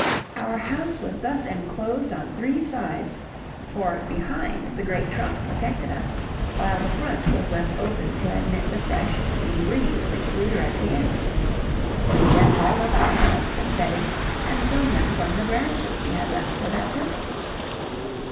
Our house was thus enclosed on three sides, for behind the great trunk protected us, while the front was left open to admit the fresh sea breeze which blew directly in. We then hauled up our hammocks and bedding and slung them from the branches we had left for that purpose.